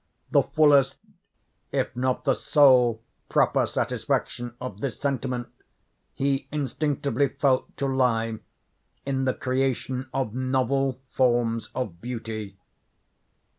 The fullest, if not the sole proper satisfaction of this sentiment he instinctively felt to lie in the creation of novel forms of beauty.